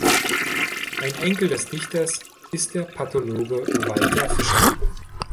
Ein Enkel des Dichters ist der Pathologe Walther Fischer.